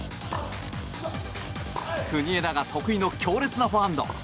国枝が得意の強烈なフォアハンド。